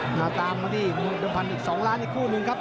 หมาตามมาที่มือมีกลุ่มพันอีก๒ล้านอีกครู่คุณครับ